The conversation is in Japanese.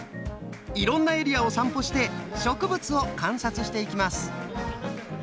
いろんなエリアを散歩して植物を観察していきます。